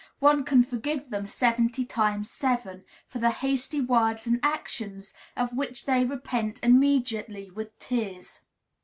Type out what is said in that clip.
One can forgive them "seventy times seven," for the hasty words and actions of which they repent immediately with tears.